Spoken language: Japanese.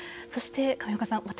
そして上岡さん